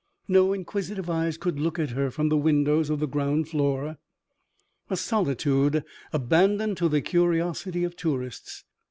No inquisitive eyes could look at her from the windows of the ground floor a solitude abandoned to the curiosity of tourists.